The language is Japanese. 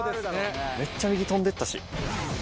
めっちゃ右飛んでったし。